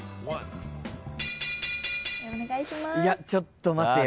ちょっと待てよ。